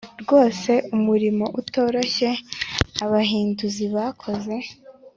rwose umurimo utoroshye abahinduzi bakoze